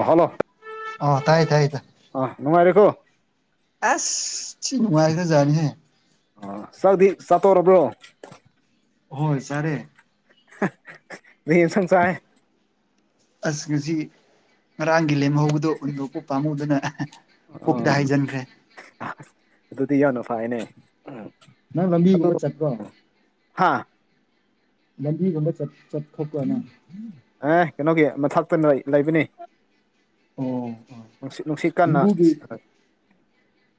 ꯑꯍꯅꯣ ꯑꯣ ꯇꯥꯏ ꯇꯥꯏ ꯇ ꯁꯤ ꯅꯨꯡꯉꯥꯏꯈ꯭ꯔꯖꯥꯠꯅꯤꯍꯦ ꯑ ꯆꯛꯗꯤ ꯆꯥꯠꯇꯣꯛꯔꯕ꯭ꯔꯣ ꯍꯣꯏ ꯁꯔꯦ ꯁꯁꯔꯦ ꯑꯁ ꯉꯁꯤ ꯉꯔꯥꯡꯒꯤ ꯂꯦꯝꯍꯧꯕꯗꯣ ꯎꯟꯕꯄ ꯄꯥꯝꯃꯨꯗꯨꯅ ꯄꯨꯛꯇ ꯑꯥ ꯍꯥꯏꯩꯖꯤꯟꯈ꯭ꯔꯦ ꯑꯗꯨꯗꯤ ꯌꯥꯅꯨ ꯐꯥꯏꯅꯦ ꯅꯪ ꯂꯝꯝꯕꯤꯒꯨꯝꯕ ꯆꯠꯀꯣ ꯍꯥ ꯂꯗꯤꯒꯗ ꯆꯠ ꯆꯠꯊꯣꯛꯄꯅ ꯑꯦ ꯀꯩꯅꯣꯒꯤ ꯃꯊꯛꯇꯅ ꯂꯩꯕꯅꯤ ꯑꯣ ꯅꯨꯡꯁꯤꯠ ꯅꯨꯡꯁꯤꯠ ꯀꯟꯅ ꯌꯨꯝꯕꯨꯒꯤ ꯁꯤ ꯑ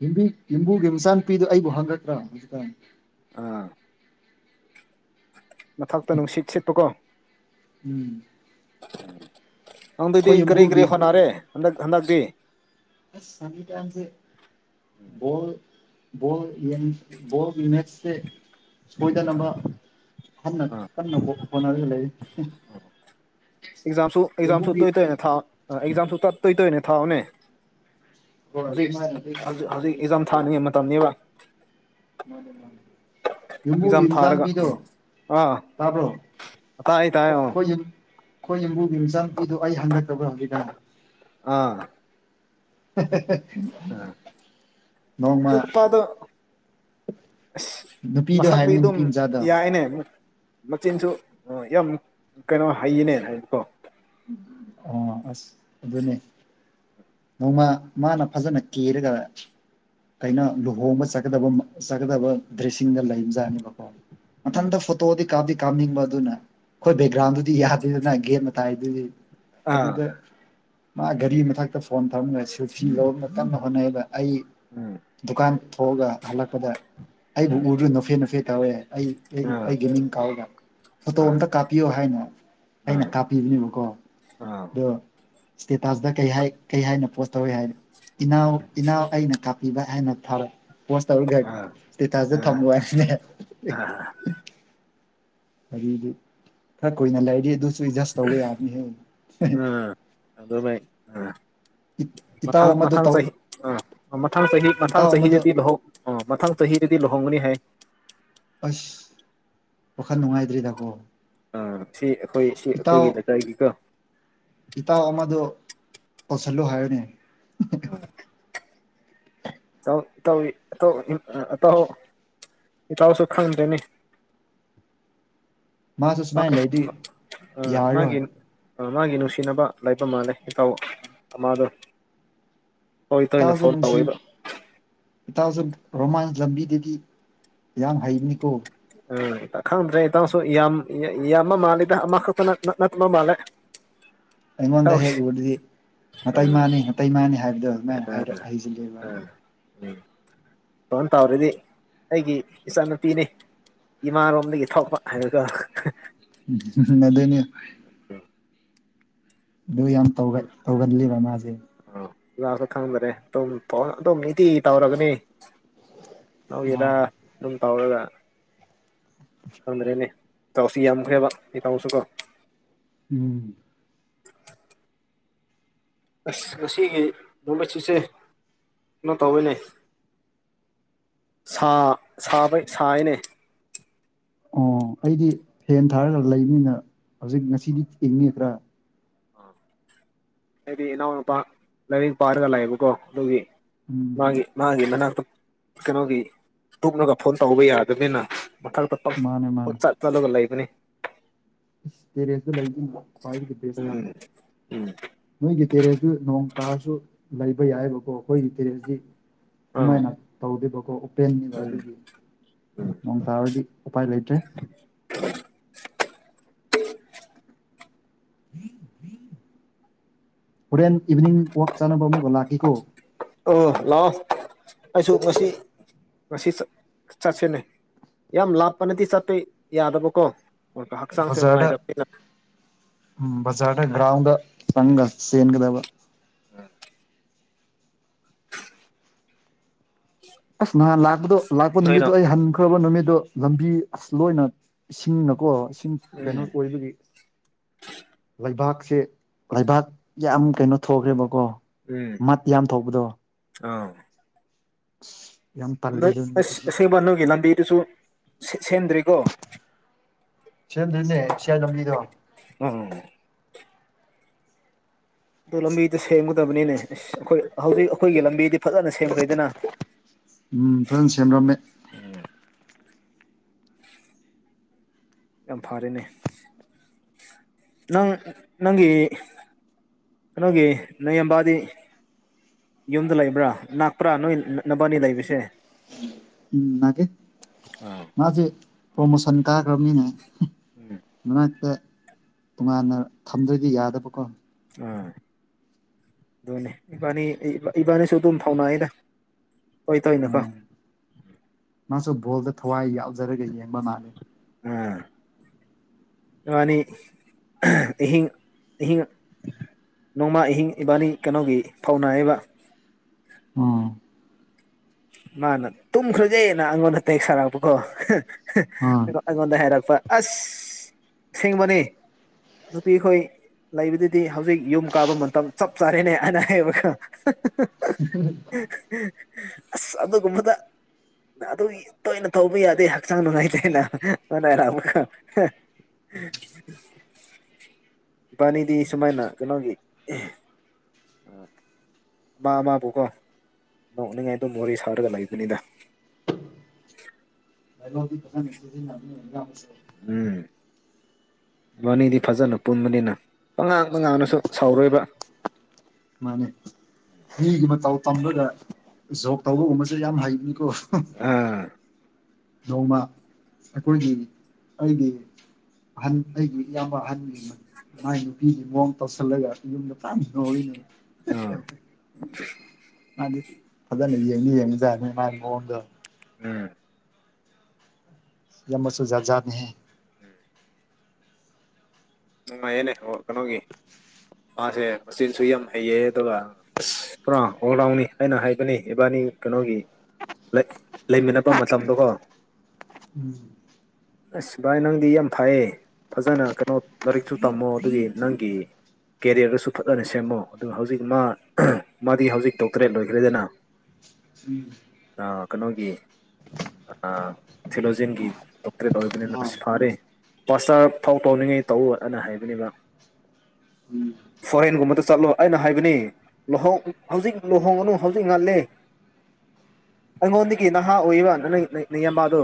ꯌꯨꯝꯕꯤ ꯌꯨꯝꯕꯨꯒꯤ ꯃꯆꯥ ꯅꯨꯄꯤꯗꯨ ꯑꯩꯕꯨ ꯍꯪꯉꯠꯇ꯭ꯔꯥ ꯍꯧꯖꯤꯛꯀꯥꯟ ꯑꯥ ꯃꯊꯛꯇ ꯅꯨꯡꯁꯤꯠ ꯁꯤꯠꯄꯀꯣ ꯎꯝ ꯅꯪ ꯑꯗꯨꯗꯤ ꯑꯩꯈꯣꯏ ꯀꯔꯤ ꯀꯔꯤ ꯌꯨꯝꯕꯨꯒꯤ ꯍꯣꯠꯅꯔꯦ ꯍꯟꯗꯛ ꯍꯟꯗꯛꯇꯤ ꯑꯁ ꯍꯧꯖꯤꯛꯀꯥꯟꯁꯦ ꯕꯣꯜ ꯕꯣꯜ ꯌꯦꯡ ꯕꯣꯜ ꯎꯃꯦꯠꯁꯦ ꯁꯣꯏꯗꯅꯕ ꯈꯟꯅ ꯑꯥ ꯀꯟꯅ ꯍꯣꯠ ꯍꯣꯠꯅꯔꯒ ꯂꯩꯔꯤ ꯑꯦꯛꯖꯥꯝꯁꯨ ꯑꯦꯛꯖꯥꯝꯁꯨ ꯇꯣꯏ ꯇꯣꯏꯅ ꯊꯥꯎ ꯑꯥ ꯑꯦꯛꯖꯥꯝꯁꯨ ꯇ ꯇꯣꯏ ꯇꯣꯏꯅꯦ ꯊꯥꯎꯅꯦ ꯏꯛ ꯍꯣꯏ ꯍꯧꯖꯤꯛ ꯑꯗꯨꯃꯥꯏꯅꯗꯤ ꯈꯔ ꯍꯧꯖꯤꯛ ꯈꯔꯗꯤ ꯏꯛꯖꯥꯝ ꯇꯧꯕꯅꯤ ꯊꯥꯅꯤꯡꯉꯩ ꯃꯇꯝꯅꯤꯕ ꯃꯥꯅꯦ ꯃꯥꯅꯦ ꯑꯦꯛꯖꯥꯝ ꯌꯨꯝꯕꯨꯒꯤ ꯝꯆꯥ ꯊꯥꯔꯒ ꯅꯨꯄꯤꯗꯣ ꯎꯝ ꯑꯥ ꯇꯥꯕꯔꯣ ꯇꯥꯏ ꯇꯥꯏ ꯈꯣꯏ ꯑꯣ ꯈꯣꯏ ꯌꯨ ꯈꯣꯏ ꯌꯨꯝꯕꯨꯒꯤ ꯃꯤꯆꯥꯄꯤꯗꯨ ꯑꯩ ꯍꯪꯉꯛꯇꯕꯔꯥ ꯍꯧꯖꯤꯛꯀꯥꯟ ꯑꯥ ꯍꯦ ꯍꯦ ꯍꯦ ꯑ ꯑꯗꯨꯏ ꯅꯨꯄꯥꯗꯣ ꯑꯁ ꯅꯨꯄꯤꯗꯣ ꯃꯁꯛꯇꯤ ꯍꯥꯏꯕꯅꯤ ꯑꯗꯨꯝ ꯅꯨꯄꯤ ꯃꯆꯥꯗꯣ ꯌꯥꯏꯅꯦ ꯃꯆꯤꯟꯁꯨ ꯑꯥ ꯌꯥꯝ ꯀꯩꯅꯣ ꯍꯩꯌꯦꯅꯦ ꯍꯥꯏꯗꯤꯀꯣ ꯑꯣ ꯑꯁ ꯑꯗꯨꯅꯦ ꯅꯣꯡꯃ ꯃꯥꯅ ꯐꯖꯅ ꯀꯦꯔꯒ ꯀꯩꯅꯣ ꯂꯨꯍꯣꯡꯕ ꯆꯠꯀꯗꯕ ꯃ ꯆꯠꯀꯗꯕ ꯗ꯭ꯔꯦꯁꯁꯤꯡꯗ ꯂꯩꯕꯖꯥꯅꯤ ꯕꯀꯣ ꯎꯝ ꯃꯊꯟꯗ ꯐꯣꯇꯣꯗꯤ ꯀꯥꯞꯗꯤ ꯀꯥꯞꯅꯤꯡꯕ ꯑꯗꯨꯅ ꯈꯣꯏ ꯎꯝ ꯕꯦꯛꯒ꯭ꯔꯥꯎꯟꯗꯨꯗꯤ ꯌꯥ ꯗꯨꯗꯅ ꯒꯦꯠ ꯃꯇꯥꯏꯗꯨꯗꯤ ꯑꯥ ꯑꯗꯨꯗ ꯃꯥ ꯒꯥꯔꯤ ꯃꯊꯛꯇ ꯐꯣꯟ ꯊꯝꯒ ꯁꯦꯜꯐꯤ ꯂꯧꯔꯝꯅ ꯀꯟꯅ ꯍꯣꯠꯅꯩꯗ ꯑꯩ ꯎꯝ ꯗꯨꯀꯥꯟ ꯊꯣꯛꯑꯒ ꯍꯜꯂꯛꯄꯗ ꯑꯩꯕꯨ ꯎꯝ ꯎꯗꯨ ꯅꯣꯛꯐꯦ ꯅꯣꯛꯐꯦ ꯇꯧꯋꯦ ꯑꯩ ꯑꯩ ꯑꯥ ꯑꯩꯒꯤ ꯃꯤꯡ ꯀꯧꯔꯒ ꯐꯣꯇꯣ ꯑꯥ ꯑꯝꯇ ꯀꯥꯞꯄꯤꯌꯣ ꯍꯥꯏꯅ ꯑꯩꯅ ꯑꯥ ꯀꯥꯞꯄꯤꯕꯅꯦꯕꯀꯣ ꯑꯥ ꯗꯣ ꯏꯁꯇꯦꯇꯁꯇ ꯀꯩ ꯍꯥꯏ ꯀꯩ ꯍꯥꯏꯅ ꯄꯣꯁ ꯇꯧꯋꯦ ꯍꯥꯏ ꯏꯅꯥꯎ ꯏꯅꯥꯎ ꯑꯩꯅ ꯀꯥꯞ ꯄꯤꯕ ꯍꯥꯏꯅ ꯊꯥꯔꯦ ꯄꯣꯁ ꯇꯧꯔꯒ ꯑꯥ ꯏꯁꯇꯦꯇꯁꯗ ꯑꯥ ꯊꯝꯕ ꯋꯥ ꯍꯦ ꯍꯦ ꯏꯛ ꯑꯥ ꯑꯗꯩꯗꯤ ꯈꯔ ꯀꯨꯏꯅ ꯂꯩꯔꯗꯤ ꯗꯨꯁ ꯥꯁꯨꯏ ꯖꯗꯁ ꯇꯧꯕ ꯌꯥꯕꯅꯤꯍꯦ ꯍꯦꯍꯦ ꯎꯝ ꯑꯗꯨꯃꯥꯏ ꯏꯠ ꯃꯊꯪ ꯃꯊꯪ ꯆꯍꯤ ꯑ ꯃꯊꯪ ꯆꯍꯤ ꯃꯊꯪ ꯏꯇꯥꯎ ꯑꯃꯗꯣ ꯆꯍꯤꯗꯗꯤ ꯂꯨꯍꯣꯡ ꯑ ꯃꯊꯪ ꯆꯍꯤꯗꯗꯤ ꯂꯨꯍꯣꯡꯒꯅꯤ ꯍꯥꯏ ꯑꯁ ꯋꯥꯈꯜ ꯅꯨꯡꯉꯥꯏꯇ꯭ꯔꯤꯗꯀꯣ ꯑꯥ ꯁꯤ ꯑꯩꯈꯣꯏ ꯁꯤ ꯏꯇꯥꯎ ꯑꯩꯈꯣꯏꯒꯤ ꯂꯩꯀꯥꯏꯒꯤꯀꯣ ꯏꯇꯥꯎ ꯑꯃꯗꯣ ꯄꯁꯜꯂꯣ ꯍꯥꯏꯌꯣꯅꯦ ꯎꯝ [unintelligible] ꯑꯥꯎ ꯏꯇꯥꯎꯋꯤ ꯏꯇꯥꯎ ꯎꯝ ꯑꯥ ꯑꯇꯥꯎ ꯏꯇꯥꯎꯁꯨ ꯈꯪꯗꯦꯅꯦ [inaudible] ꯃꯥ ꯁꯨꯃꯥꯏꯅ ꯂꯩꯔꯗꯤ ꯑꯥ ꯌꯥꯔꯔꯣꯏ ꯃꯥꯒꯤꯟ ꯃꯥꯒꯤ ꯅꯨꯡꯁꯤꯅꯕ ꯂꯩꯏꯕ ꯃꯥꯜꯂꯦ ꯏꯇꯥꯎ ꯑꯃꯥꯗꯣ ꯍꯣꯏ ꯇꯣꯏꯅꯦ ꯐꯣꯟ ꯇꯧꯋꯦꯕ ꯏꯇꯥꯁꯨ ꯔꯣꯃꯥꯟꯁ ꯂꯝꯕꯤꯗꯗꯤ ꯌꯥꯝ ꯍꯩꯕꯅꯤꯀꯣ ꯎꯝ ꯏꯇ ꯈꯪꯗ꯭ꯔꯦ ꯏꯇꯥꯎꯁꯨ ꯌꯥꯝ ꯏ ꯌꯥꯝꯕ ꯃꯥꯜꯂꯤꯗ ꯑꯃꯈꯛꯇꯅ ꯅꯠ ꯅꯠꯇꯕ ꯃꯥꯜꯂꯦ ꯑꯩꯉꯣꯟꯗ ꯇꯧꯔꯤꯁꯦ ꯍꯦꯛ ꯎꯔꯗꯤ ꯎꯝ ꯅꯇꯩꯃꯥꯅꯤ ꯅꯇꯩꯃꯥꯅꯤ ꯍꯥꯏꯕ ꯑꯗꯨ ꯑꯗꯨꯃꯥꯏꯅ ꯍꯥꯏꯔꯛ ꯍꯩꯖꯤꯜꯂꯦꯕ ꯇꯣꯟ ꯇꯧꯔꯤꯗꯤ ꯑꯩꯒꯤ ꯏꯆꯥꯅꯨꯄꯤꯅꯤ ꯏꯃꯥꯔꯣꯝꯗꯒꯤ ꯊꯣꯛꯄ ꯍꯥꯏꯕꯗꯣ ꯎꯝ ꯍꯨꯝ ꯍꯨꯝ ꯑꯗꯨꯅꯤ ꯑꯗꯨ ꯌꯥꯝ ꯇꯧꯒꯜꯂꯤꯕ ꯃꯥꯁꯦ ꯂꯥꯛ ꯈꯪꯗ꯭ꯔꯦ ꯑꯗꯨꯝ ꯑꯗꯨꯝ ꯏꯗꯤꯤ ꯇꯧꯔꯒꯅꯤ ꯅ ꯌꯦꯔꯥ ꯑꯣ ꯑꯗꯨꯝ ꯇꯥꯎꯔꯒ ꯈꯪꯗ꯭ꯔꯦꯅꯦ ꯇꯥꯎꯁꯤ ꯌꯥꯝꯈ꯭ꯔꯦꯕ ꯏ ꯇꯥꯡꯁꯨ ꯀꯣ ꯎꯝ ꯑꯁ ꯉꯁꯤꯒꯤ ꯂꯣꯂꯁꯤꯁꯦ ꯀꯩꯅꯣ ꯇꯧꯋꯅꯦ ꯁꯥ ꯁꯥꯕꯩ ꯁꯥꯏꯅꯦ ꯑꯣ ꯑꯩꯗꯤ ꯐꯦꯟ ꯊꯥꯔꯒ ꯂꯩꯕꯅꯤꯅ ꯍꯧꯖꯤꯛ ꯉꯁꯤꯗꯤ ꯌꯦꯡꯅꯤꯗ꯭ꯔꯥ ꯑ ꯍꯥꯏꯗꯤ ꯏꯅꯥꯎꯅꯄꯥ ꯂꯥꯏꯔꯤꯛ ꯄꯥꯔꯒ ꯂꯥꯛꯑꯦꯕꯀꯣ ꯑꯗꯨꯒꯤ ꯎꯝ ꯃꯥꯒꯤ ꯃꯥꯒꯤ ꯃꯅꯥꯛꯇ ꯀꯩꯅꯣꯒꯤ ꯇꯨꯞꯛꯂꯒ ꯐꯣꯟ ꯇꯧꯕ ꯌꯥꯗꯕꯅꯤꯅ ꯃꯊꯛꯛꯇ ꯄꯠ ꯃꯥꯅꯦ ꯃꯥꯅꯦ ꯆꯠ ꯆꯠꯂꯒ ꯂꯩꯕꯅꯤ ꯏꯁ ꯇꯦꯔꯦꯁꯇꯨ ꯂꯩ ꯈ꯭ꯋꯥꯏꯗꯒꯤ ꯕꯦꯁ ꯇꯥꯔꯦ ꯎꯝ ꯎꯝ ꯅꯣꯏꯒꯤ ꯇꯦꯔꯦꯁꯇꯨ ꯅꯣꯡ ꯇꯥꯔꯁꯨ ꯂꯩꯕ ꯌꯥꯏꯑꯕꯀꯣ ꯑꯩꯈꯣꯏꯒꯤ ꯇꯦꯔꯦꯁꯇ ꯑꯥ ꯑꯗꯨꯃꯥꯏꯅ ꯇꯧꯗꯦꯕꯀꯣ ꯄꯦꯟꯅꯤꯕ ꯎꯝ ꯑꯗꯨꯒꯤ ꯅꯑꯣꯡ ꯇꯥꯔꯗꯤ ꯎꯄꯥꯏ ꯂꯩꯇ꯭ꯔꯦ ꯍꯣꯔꯦꯟ ꯏꯚꯤꯅꯤꯡ ꯋꯥꯛ ꯆꯥꯅꯕ ꯑꯃꯨꯛꯒ ꯂꯥꯛꯈꯤꯀꯣ ꯑꯣ ꯂꯂꯥꯛꯑꯣ ꯑꯩꯁꯨ ꯃꯁꯤ ꯉꯁꯤ ꯆꯠꯁꯤꯅꯦ ꯌꯥꯝ ꯂꯥꯞꯄꯅꯗꯤ ꯆꯠꯇꯦ ꯌꯥꯗꯕꯀꯣ ꯍꯛꯆꯥꯡꯁꯨ ꯕꯖꯥꯔ ꯅꯨꯡꯉꯥꯏꯇꯕꯅꯤꯅ ꯕꯖꯥꯔꯒ꯭ꯔꯥꯎꯟꯗ ꯐꯪꯒ ꯁꯦꯟꯒꯗꯕ ꯑꯁ ꯅꯍꯥꯟ ꯂꯥꯛꯄꯗꯣ ꯂꯥꯛꯄ ꯅꯣꯏꯅ ꯅꯨꯃꯤꯠꯇꯣ ꯑꯩ ꯍꯟꯈ꯭ꯔꯕ ꯅꯨꯃꯤꯠꯇꯣ ꯂꯝꯕꯤ ꯑꯁ ꯂꯣꯏꯅ ꯏꯁꯤꯡꯅꯀꯣ ꯁꯤꯡ ꯀꯩꯅꯣ ꯎꯝ ꯑꯣꯏꯕꯒꯤ ꯂꯩꯕꯥꯛ ꯁꯤ ꯂꯩꯕꯥꯛ ꯌꯥꯝ ꯀꯩꯅꯣ ꯊꯣꯛꯈ꯭ꯔꯦꯕꯀꯣ ꯎꯝ ꯃꯠ ꯌꯥꯝ ꯊꯣꯛꯧꯕꯗꯣ ꯑꯥ [unintelligible] ꯅ ꯑꯗꯨ ꯑꯁ ꯅꯨꯃꯤꯠꯇꯨꯗꯤ ꯑꯦꯡꯕ ꯅꯨꯒꯤ ꯂꯝꯕꯤꯗꯨꯁꯨ ꯁꯦꯝꯗ꯭ꯔꯤꯀꯣ ꯁꯤꯗꯅꯦ ꯁꯤꯌꯥ ꯂꯝꯝꯕꯤꯗ ꯎꯝ ꯑꯗꯨ ꯂꯝꯕꯤꯗ ꯁꯦꯝꯒꯗꯕꯅꯤꯅꯦ ꯑꯩꯈꯣꯏ ꯍꯧꯖꯤꯛ ꯑꯩꯈꯣꯏꯒꯤ ꯂꯝꯕꯤꯗꯤ ꯐꯖꯅ ꯁꯦꯝꯈ꯭ꯔꯦꯗꯅ ꯎꯝ ꯐꯖꯅ ꯁꯦꯝꯔꯝꯃꯦ ꯎꯝ ꯌꯥꯝ ꯐꯔꯦꯅꯦ ꯅꯪ ꯅꯪꯒꯤ ꯀꯩꯅꯣꯒꯦ ꯅ ꯑꯝꯕꯗꯤ ꯌꯨꯝꯗ ꯂꯩꯕ꯭ꯔꯥ ꯅꯥꯛꯄ꯭ꯔꯥ ꯅꯣꯏ ꯅꯛꯅꯕꯅꯤ ꯂꯩꯕꯁꯦ ꯎꯝ ꯃꯥꯅꯥꯀꯦ ꯑꯥ ꯃꯥꯁꯦ ꯄ꯭ꯔꯣꯃꯣꯁꯟ ꯀꯥꯈ꯭ꯔꯕꯅꯤꯅꯦ ꯎꯝ ꯃꯅꯥꯛꯇ ꯇꯣꯉꯥꯟꯅ ꯊꯝꯗꯣꯏꯗꯤ ꯌꯥꯗꯕꯀꯣ ꯑ ꯑꯗꯨꯅꯦ ꯏꯕꯥꯅꯤ ꯏꯕꯥꯅꯤꯁꯨ ꯑꯗꯨꯝ ꯊꯧꯅꯥꯏꯗ ꯎꯝ ꯃꯥꯁꯨ ꯕꯣꯜꯗ ꯊꯋꯥꯏ ꯌꯥꯎꯖꯔꯒ ꯌꯦꯡꯕ ꯃꯥꯂ [unintelligible] ꯅꯤ ꯇ ꯇ ꯅꯣꯡꯃꯥ ꯑꯍꯤꯡ ꯏꯕꯥꯅꯤ ꯀꯩꯅꯣꯒꯤ ꯐꯧꯅꯥꯏꯌꯦꯕ ꯑ ꯃꯥꯅ ꯇꯨꯝꯈ꯭ꯔꯖꯩꯩꯅ ꯑꯩꯉꯣꯟꯗ ꯇꯦꯛ ꯁꯥꯔꯛꯄꯀꯣ ꯑꯥ ꯑꯩꯉꯣꯟꯗ ꯍꯥꯏꯔꯛꯄ ꯑꯁ ꯁꯦꯡꯕꯅꯤ ꯄꯤꯈꯣꯏ ꯂꯩꯕꯗꯨꯗꯤ ꯍꯧꯖꯤꯛ ꯌꯨꯝ ꯀꯥꯕ ꯃꯇꯝ ꯆꯞ ꯆꯥꯔꯦꯅꯦ ꯑꯅꯥꯌꯦꯛꯌꯦꯕꯀ ꯑ ꯑꯗ ꯀꯨꯝꯕꯗ ꯑꯗꯨ ꯇꯣꯏꯅ ꯊꯧꯕ ꯌꯥꯗꯦ ꯍꯛꯆꯥꯡ ꯅꯨꯡꯉꯥꯏꯇꯅꯅꯔꯥꯨ ꯕꯥꯅꯤꯗꯤ ꯁꯨꯃꯥꯏꯅ ꯀꯩꯅꯣꯒꯤ ꯑ ꯕꯥꯕꯥꯕꯨꯀꯣ ꯅꯣꯛꯅꯤꯡꯉꯥꯏ ꯑꯗꯨꯝ ꯃꯣꯔꯦ ꯁꯥꯔꯒ ꯂꯩꯕꯅꯤꯗ ꯀ ꯃꯕꯅꯤꯗꯤ ꯐꯖꯅ ꯄꯨꯟꯕꯅꯤꯅ ꯄꯉꯥꯡꯇ ꯉꯥꯡꯂꯁꯨ ꯁꯥꯎꯔꯣꯏꯕ ꯃꯥꯅꯦ ꯃꯤꯒꯤ ꯃꯇꯧ ꯇꯝꯕꯗ ꯖꯣꯒ ꯇꯧꯕꯒꯨꯝꯕꯁꯨ ꯌꯥꯝ ꯍꯩꯕꯅꯤꯀꯣ [unintelligible] ꯑꯥ ꯅꯣꯡꯃ ꯑꯩꯈꯣꯏꯒꯤ ꯑꯩꯒꯤ ꯑꯍꯟ ꯑꯩꯒꯤ ꯏꯌꯥꯝꯕ ꯑꯍꯟꯒꯤ ꯃ ꯃꯥꯏ ꯅꯨꯄꯤꯒꯤ ꯃꯑꯣꯡ ꯇꯧꯁꯤꯜꯂꯒ ꯃꯤꯅ ꯐꯖꯟ ꯅꯣꯛꯢꯅꯦ ꯑꯥ ꯃꯥꯗꯤ ꯐꯖꯅ ꯌꯦꯡꯗꯤ ꯌꯦꯡꯕꯖꯥꯠꯅꯤ ꯃꯥꯒꯤ ꯃꯑꯣꯡꯗꯣ ꯎꯝ ꯏꯌꯥꯝꯕꯁꯨ ꯖꯥꯠꯖꯥꯠꯅꯦꯍꯦ ꯎꯝ ꯅꯨꯡꯉꯥꯏꯌꯦꯅꯦ ꯍꯣ ꯀꯩꯅꯣꯒꯤ ꯃꯥꯁꯦ ꯃꯆꯤꯟꯁꯨ ꯌꯥꯝ ꯍꯩꯌꯦ ꯑꯗꯨꯒ ꯑꯁ ꯄꯨꯔꯥ ꯑꯣꯜ ꯔꯥꯎꯟꯅꯤ ꯑꯩꯅ ꯍꯥꯏꯕꯅꯦ ꯏꯕꯥꯅꯤ ꯀꯩꯅꯣꯒꯤ ꯂꯩꯃꯤꯟꯅꯕ ꯃꯇꯝꯗꯣꯀꯣ ꯎꯝ ꯑꯁ ꯚꯥꯏ ꯅꯪꯗꯤ ꯌꯥꯝ ꯐꯥꯏꯌꯦ ꯐꯖꯅ ꯀꯩꯅꯣ ꯂꯥꯏꯔꯤꯛꯁꯨ ꯇꯝꯃꯣ ꯑꯗꯨꯒꯤ ꯅꯪꯒꯤ ꯀꯦꯔꯤꯌꯔꯗꯁꯨ ꯐꯖꯅ ꯁꯦꯝꯃꯣ ꯑꯗꯨꯒ ꯍꯧꯖꯤꯛ ꯃꯥ ꯃꯥꯗꯤ ꯍꯧꯖꯤꯛ ꯗꯣꯛꯇꯔꯦꯠ ꯂꯣꯏꯈ꯭ꯔꯦꯗꯅ [inaudible] ꯑꯥ ꯀꯩꯅꯣꯒꯤ ꯑꯥ ꯊꯤꯂꯣꯖꯤꯟꯒꯤ ꯗꯣꯛꯇꯔꯦꯠ ꯑꯣꯏꯕꯅꯤꯅ ꯑꯁ ꯍꯣꯏ ꯐꯥꯔꯦ ꯄꯥꯁꯇꯔ ꯐꯥꯎ ꯇꯧꯅꯤꯡꯉꯩ ꯇꯧꯎ ꯑꯅ ꯍꯥꯏꯕꯅꯦꯕ [unintelligible] ꯐꯣꯔꯦꯟꯒꯨꯝꯕꯗ ꯆꯠꯂꯣ ꯑꯩꯅ ꯍꯥꯏꯕꯅꯤ ꯂꯨꯍꯣꯡ ꯍꯧꯖꯤꯛ ꯂꯨꯍꯣꯡꯒꯅꯨ ꯍꯧꯖꯤꯛ ꯉꯜꯂꯦ [inaudible] ꯑꯩꯉꯣꯟꯗꯒꯤ ꯅꯍꯥ ꯑꯣꯏꯌꯦꯕ ꯅꯅꯩꯅꯩ ꯅꯌꯥꯝꯕꯗꯣ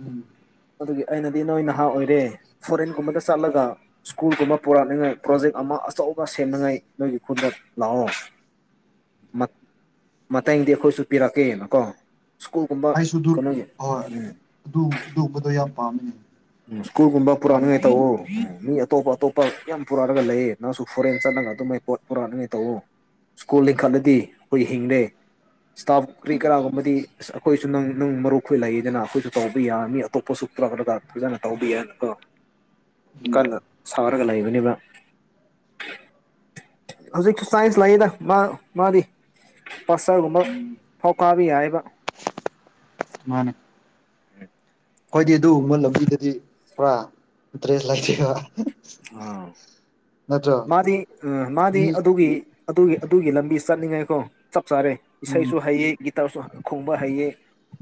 ꯎꯝ ꯑꯗꯨꯒꯤ ꯑꯩꯅꯗꯤ ꯅꯣꯏ ꯅꯍꯥ ꯑꯣꯏꯔꯦ ꯐꯣꯔꯦꯟꯒꯨꯝꯕꯗ ꯆꯠꯂꯒ ꯁ꯭ꯀꯨꯜꯒꯨꯝꯕ ꯄꯨꯔꯛꯅꯤꯉꯥꯏ ꯄ꯭ꯔꯣꯖꯦꯛ ꯑꯃ ꯑꯆꯧꯕ ꯁꯦꯝꯅꯉꯥꯏ ꯅꯣꯏꯒꯤ ꯈꯨꯟꯗ ꯂꯥꯛꯑꯣ ꯃꯠ ꯃꯇꯦꯡꯗꯤ ꯑꯩꯈꯣꯏꯁꯨ ꯄꯤꯔꯛꯀꯦ ꯅꯀꯣ ꯑꯩꯁꯨ ꯗꯨ ꯍꯣꯏ ꯑꯗꯨ ꯑꯗꯨꯒꯨꯝꯕꯗꯣ ꯌꯥꯝ ꯄꯥꯝꯃꯦꯅꯦ ꯎꯝ ꯁ꯭ꯀꯨꯜꯒꯨꯝꯕ ꯄꯨꯔꯥꯅꯤꯡꯉꯥꯏ ꯇꯧꯑꯣ ꯃꯤ ꯑꯇꯣꯞ ꯑꯇꯣꯞ ꯄ ꯌꯥꯝ ꯄꯨꯔꯛꯑꯒ ꯂꯩꯌꯦ ꯅꯪꯁꯨ ꯐꯣꯔꯦꯟ ꯆꯠꯅꯒ ꯑꯗꯨꯃꯥꯏ ꯄꯣꯠ ꯄꯨꯔꯛꯅꯤꯡꯉꯥꯏ ꯇꯧꯋꯣ ꯁ꯭ꯀꯨꯜ ꯂꯤꯡꯈꯠꯂꯗꯤ ꯈꯣꯏ ꯍꯤꯡꯂꯦ ꯏꯁꯇꯥꯐ ꯀꯔꯤ ꯎꯝ ꯀꯔꯥꯒꯨꯝꯕꯗꯤ ꯑꯁ ꯑꯩꯈꯣꯏꯁꯨ ꯅꯪ ꯅꯪ ꯃꯔꯨꯞꯈꯣꯏ ꯂꯩꯌꯦꯗꯅ ꯑꯩꯈꯣꯏꯁꯨ ꯇꯧꯕ ꯌꯥꯔꯅꯤ ꯑꯇꯣꯞꯄꯁꯨ ꯄꯨꯔꯛꯄꯗꯀ ꯐꯖꯅ ꯇꯧꯕ ꯌꯥꯏꯅꯀꯣ ꯎꯝ ꯗꯨꯀꯥꯟꯗ ꯁꯥꯎꯔꯒ ꯂꯩꯕꯅꯦꯕ ꯍꯧꯖꯤꯛꯁꯨ ꯁꯥꯏꯟꯁ ꯂꯩꯌꯦꯗ ꯃꯥ ꯃꯥꯗꯤ ꯄꯥꯁꯇꯔ ꯒꯨꯝꯕ ꯎꯝ ꯐꯧ ꯀꯥꯕ ꯌꯥꯏꯌꯦꯕ ꯃꯥꯅꯦ ꯈꯣꯏꯗꯤ ꯑꯗꯨꯒꯨꯝꯕ ꯂꯝꯕꯤꯗꯗꯤ ꯄꯨꯔꯥ ꯏꯟꯇꯔꯦꯁ ꯂꯩꯇꯦꯕ ꯑꯥ ꯅꯠꯇ꯭ꯔꯣ ꯃꯥꯗꯤ ꯎꯝ ꯃꯥꯗꯤ ꯃꯤ ꯑꯗꯨꯒꯤ ꯑꯗꯨꯒꯤ ꯑꯗꯨꯒꯤ ꯂꯝꯕꯤ ꯆꯠꯅꯤꯡꯉꯥꯏꯀꯣ ꯆꯞ ꯆꯥꯔꯦ ꯎꯝ ꯏꯁꯩꯁꯨ ꯍꯩꯌꯦ ꯒꯤꯠ ꯇꯔꯁꯨ ꯈꯣꯡꯕ ꯍꯩꯌꯦ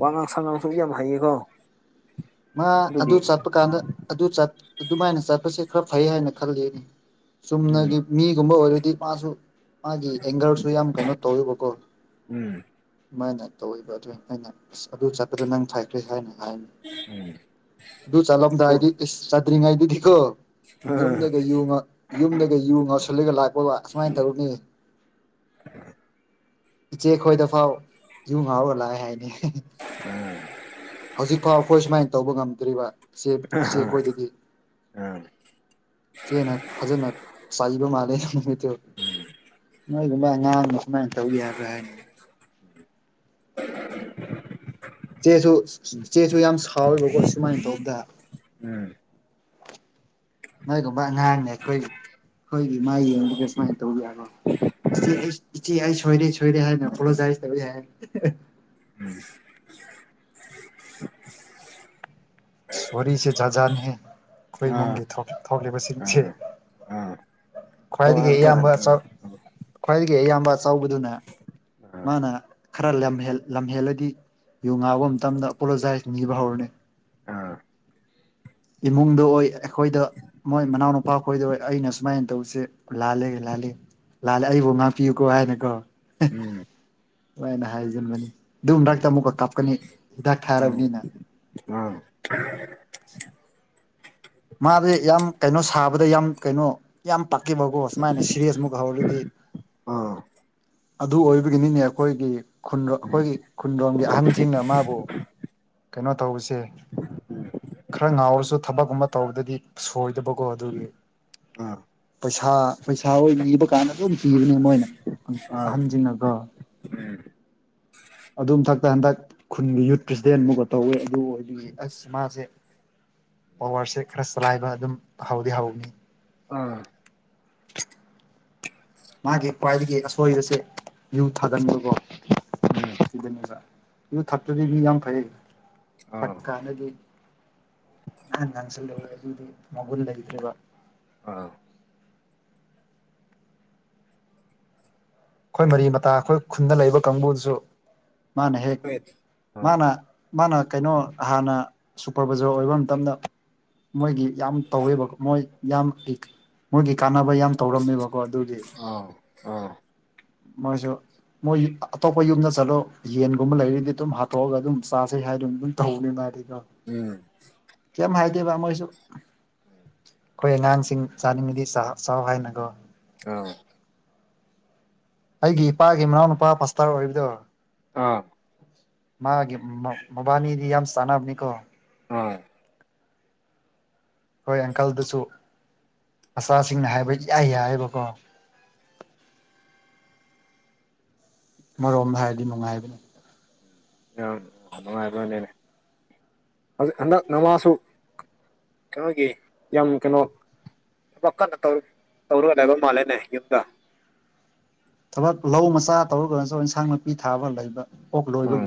ꯋꯥꯉꯥꯡ ꯁꯉꯥꯡꯁꯨ ꯌꯥꯝ ꯍꯩꯌꯦꯀꯣ ꯃꯥ ꯑꯗꯨ ꯑꯗꯨꯒꯤ ꯆꯠꯄ ꯀꯥꯟꯗ ꯑꯗꯨ ꯆꯠ ꯑꯗꯨꯃꯥꯏꯅ ꯆꯠꯄꯁꯦ ꯈꯔ ꯐꯩ ꯍꯥꯏꯅ ꯈꯜꯂꯤ ꯑꯩꯗꯤ ꯎꯝ ꯆꯨꯝꯅꯒꯤ ꯃꯤꯒꯨꯝꯕ ꯑꯣꯏꯔꯗꯤ ꯃꯥꯁꯨ ꯃꯥꯒꯤ ꯑꯦꯡꯒꯔꯁꯨ ꯌꯥꯝ ꯀꯩꯅꯣ ꯇꯧꯌꯦꯕꯀꯣ ꯎꯝ ꯃꯥꯅ ꯇꯧꯋꯦꯕ ꯑꯗꯨꯏ ꯅꯠꯇꯅ ꯑꯁ ꯑꯗꯨ ꯆꯠꯄꯗ ꯅꯪ ꯐꯥꯏꯈ꯭ꯔꯦ ꯍꯥꯏꯅ ꯍꯥꯏꯅꯤ ꯎꯝ ꯑꯗꯨ ꯑꯗꯨ ꯆꯠꯂꯝꯗꯥꯏꯗꯤ ꯏꯁ ꯆꯠꯗ꯭ꯔꯤꯉꯩꯗꯗꯤꯀꯣ ꯑꯥ ꯌꯨꯝꯗꯒ ꯌꯨ ꯉ ꯌꯨꯝꯗꯒ ꯌꯨ ꯉꯧꯁꯤꯜꯂꯒ ꯂꯥꯛꯄꯗ ꯑꯁꯨꯃꯥꯏ ꯇꯧꯅꯤ [inaudible] ꯏꯆꯦ ꯈꯣꯏꯗ ꯐꯥꯎ ꯌꯨ ꯉꯥꯎꯔꯒ ꯂꯥꯛꯑꯦ ꯍꯥꯏꯅꯦ ꯍꯧꯖꯤꯛꯐꯥꯎ ꯑꯩꯈꯣꯏ ꯁꯨꯃꯥꯏ ꯇꯧꯕ ꯉꯝꯗ꯭ꯔꯤꯕ ꯆꯦ ꯆꯦꯈꯣꯏꯗꯗꯤ ꯑꯥ ꯆꯦꯅ ꯐꯖꯅ ꯆꯥꯏꯕ ꯃꯥꯜꯂꯦ ꯅꯒꯨꯝ ꯉꯥꯡ ꯀꯃꯥꯏꯅ ꯇꯧ ꯌꯥꯕ ꯍꯥꯏ ꯆꯦꯁꯨ ꯆꯦꯁꯨ ꯌꯥꯝ ꯁꯥꯎꯋꯦꯕꯀꯣ ꯁꯨꯃꯥꯏꯅ ꯇꯧꯗ ꯎꯝ ꯃꯣꯏꯒꯨꯝꯕ ꯑꯉꯥꯡꯅꯦ ꯑꯩꯈꯣꯏ ꯑꯩꯈꯣꯏꯒꯤ ꯃꯥ ꯌꯦꯡꯕꯒ ꯁꯨꯃꯥꯏꯅ ꯇꯧꯕ ꯌꯥꯅꯣ ꯏꯆꯦ ꯑꯩ ꯏꯆꯦ ꯑꯩ ꯁꯣꯏꯔꯦ ꯁꯣꯏꯔꯦ ꯍꯥꯏꯅ ꯐꯂꯣꯖꯥꯏꯁ ꯇꯧ ꯍꯥꯏꯅ ꯎꯝ ꯁꯣꯔꯤꯁꯦ ꯖꯥꯖ ꯍ ꯀꯣꯏ ꯃꯦ ꯑꯥ ꯊꯣꯛꯂꯤ ꯄ ꯁꯤ ꯑꯥ ꯑꯥ ꯈ꯭ꯋꯥꯏꯗꯒꯤ ꯇꯣꯉꯥꯟ ꯇꯣꯉꯥꯟ ꯏꯌꯥꯝꯕ ꯆ ꯑꯥ ꯈ꯭ꯋꯥꯏ ꯑꯌꯥꯝꯕ ꯆꯥꯎꯕꯗꯨꯅ ꯃꯥꯅ ꯈꯔ ꯂꯝꯍ ꯂꯝꯍꯦꯜꯂꯗꯤ ꯌꯨ ꯉꯥꯕ ꯃꯇꯝꯗ ꯄꯣꯂꯣꯖꯥꯏꯁ ꯅꯤꯕ ꯍꯧꯔꯅꯤ ꯑꯥ ꯎꯝ ꯏꯃꯨꯡꯗ ꯑꯣꯏ ꯑꯩꯈꯣꯏꯗ ꯃꯣꯏ ꯃꯅꯥꯎꯅꯨꯄꯥ ꯑꯩꯈꯣꯏꯗ ꯑꯣꯏ ꯑꯩꯅ ꯁꯨꯃꯥꯏꯅ ꯇꯧꯁꯦ ꯂꯥꯜꯂꯦ ꯂꯥꯜꯂꯤ ꯂꯥꯜꯂꯦ ꯑꯩꯕꯨ ꯉꯥꯛꯄꯤꯌꯨꯀꯣ ꯍꯥꯏꯅꯀꯣ ꯎꯝ ꯂꯥꯏꯅ ꯍꯥꯏꯁꯤꯟꯕꯅꯤ ꯑꯗꯨ ꯍꯗꯥꯛꯛꯇ ꯑꯃꯨꯛꯀ ꯀꯥꯞꯀꯅꯤ ꯍꯤꯗꯥꯛ ꯎꯝ ꯊꯥꯔꯕꯅꯤꯅ [unintelligible] ꯃꯥꯗꯤ ꯌꯥꯝ ꯀꯩꯅꯣ ꯁꯥꯕꯗ ꯌꯥꯝ ꯀꯩꯅꯣ ꯌꯥꯝ ꯄꯥꯛꯈꯤꯕꯀꯣ ꯁꯨꯃꯥꯏꯅ ꯁꯤꯔꯤꯁꯃꯨꯛ ꯍꯧꯔꯗꯤ ꯑꯥ ꯑꯗꯨ ꯑꯣꯏꯕꯒꯤꯅꯤꯅꯦ ꯑꯩꯈꯣꯏꯒꯤ ꯑꯩꯈꯣꯏꯒꯤ ꯈꯨꯟꯗ꯭ꯔꯣꯡꯝꯒꯤ ꯑꯍꯟꯁꯤꯡꯅ ꯃꯥꯕꯨ ꯀꯩꯅꯣ ꯇꯧꯕꯁꯦ ꯈꯔ ꯉꯥꯎꯔꯁꯨ ꯊꯕꯛꯀꯨꯝꯕ ꯇꯧꯕꯗꯗꯤ ꯁꯣꯏꯗꯕꯀꯣ ꯑꯗꯨꯒꯤ ꯑꯥ ꯄꯩꯁꯥ ꯄꯩꯁꯥ ꯑꯣꯏ ꯆꯥꯟꯅꯁꯨ ꯑꯗꯨꯝ ꯄꯤꯕꯅꯦ ꯃꯣꯏꯅ ꯑꯥ ꯑꯍꯟꯁꯤꯡꯅꯀꯣ ꯎꯝ ꯑꯗꯨ ꯃꯊꯛꯇ ꯍꯟꯗꯛ ꯈꯨꯟꯒꯤ ꯌꯨꯠꯀꯤ ꯇꯦꯟ ꯑꯃꯨꯒ ꯇꯧꯋꯦ ꯑꯗꯨ ꯑꯣꯏꯗꯤ ꯑꯁ ꯃꯥꯁꯦ ꯄꯋꯥꯔꯁꯦ ꯈꯔ ꯆꯂꯥꯏꯕ ꯑꯗꯨꯝ ꯍꯥꯎꯗꯤ ꯍꯥꯎꯅꯤ ꯑꯥ [unintelligible] ꯃꯥꯒꯤ ꯈ꯭ꯋꯥꯏꯗꯒꯤ ꯑꯁꯣꯏꯕꯁꯦ ꯌꯨ ꯊꯥꯒꯟꯕꯀꯣ ꯎꯝ ꯁꯤꯗꯅꯦꯕ ꯌ ꯊꯛꯛꯇꯗꯤ ꯃꯤ ꯌꯥꯝ ꯐꯩ ꯊꯛ ꯑꯥ ꯀꯅꯗꯤ ꯑ ꯉꯪꯁꯗꯤ ꯃꯒꯟ ꯂꯕ ꯑꯥ ꯑꯩꯈꯣꯏ ꯃꯔꯤ ꯃꯇꯥ ꯑꯩꯈꯣꯏ ꯈꯨꯟꯗ ꯂꯩꯕ ꯀꯥꯡꯕꯨꯁꯨ ꯃꯥꯅ ꯍꯦꯛ ꯑ ꯑꯥ ꯃꯥꯅ ꯃꯥꯅ ꯀꯩꯅꯣ ꯍꯥꯟꯅ ꯁꯨꯄꯔꯕꯥꯖꯔ ꯑꯣꯏꯕ ꯃꯇꯝꯗ ꯃꯣꯏꯒꯤ ꯌꯥꯝ ꯇꯧꯋꯦꯕ ꯃꯣꯏ ꯌꯥꯝ ꯃꯣꯏꯒꯤ ꯀꯥꯟꯅꯕ ꯑꯩꯈꯣꯏ ꯌꯥꯝ ꯇꯧꯔꯝꯃꯦꯕꯀꯣ ꯑꯗꯨꯗꯤ ꯑꯥ ꯃꯣꯏꯁꯨ ꯃꯣꯏ ꯑꯇꯣꯞꯄ ꯌꯨꯝꯗ ꯆꯠꯂꯣ ꯌꯦꯟꯒꯨꯝꯕ ꯂꯩꯔꯗꯤ ꯑꯗꯨꯝ ꯍꯥꯠꯇꯣꯛꯑꯒ ꯑꯗꯨꯝ ꯆꯥꯥꯁꯩ ꯍꯥꯏꯗꯨꯅ ꯑꯗꯨꯝ ꯇꯧꯅꯦ ꯃꯥꯥꯏꯗꯤ ꯎꯝ ꯀꯦꯝ ꯍꯥꯏꯥꯏꯗꯦꯕꯥ ꯃꯣꯏꯁꯨ ꯑꯩꯈꯣꯏ ꯑꯉꯥꯡꯁꯤꯡ ꯆꯥꯅꯤꯡꯕꯗꯤ ꯆꯥꯎꯍꯥꯎ ꯍꯥꯏꯅꯒꯣ ꯑꯥ ꯑꯩꯒꯤ ꯏꯄꯥꯒꯤ ꯃꯅꯥꯎ ꯅꯨꯨꯄꯥ ꯄꯥꯁꯇꯥꯔ ꯑꯣꯏꯔꯤꯕꯗꯣ ꯑꯥ ꯃꯥꯒꯤ ꯃꯕꯥꯅꯤꯗꯤ ꯌꯥꯝ ꯆꯥꯟꯅꯕꯅꯤꯀꯣ ꯑꯥ ꯍꯣꯏ ꯑꯪꯀꯜꯗꯨꯁꯨ ꯃꯆꯥꯁꯤꯡꯅ ꯍꯥꯏꯕ ꯌꯥꯏ ꯌꯥꯏꯑꯌꯦꯕꯀꯣ [unintelligible] ꯃꯔꯣꯝ ꯍꯥꯏꯔꯗꯤ ꯅꯨꯡꯉꯥꯏꯕꯅꯤ ꯑ ꯑꯥꯏꯅꯦ ꯑ ꯑꯦ ꯅꯋꯥꯁꯨ ꯀꯩꯅꯣꯒꯤ ꯌꯥꯝ ꯀꯩꯅꯣ ꯊꯕꯛ ꯀꯟꯅ ꯇꯧꯔꯨꯒꯗꯕ ꯃꯥꯜꯂꯦꯅꯦ ꯌꯨꯝꯗ ꯊꯕꯛ ꯂꯧ ꯃꯆꯥ ꯇꯧꯔꯒ ꯅꯁꯨ ꯏꯟꯁꯥꯡ ꯅꯥꯄꯤ ꯊꯥꯕ ꯂꯩꯕ ꯑꯣꯣꯛ ꯎꯝ ꯂꯣꯏꯕꯒꯤ